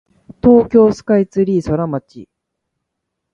東京スカイツリーソラマチ